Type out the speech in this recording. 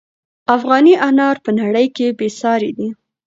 افغاني انار په نړۍ کې بې ساري دي.